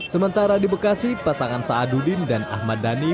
sementara di bekasi pasangan saadudin dan ahmad dhani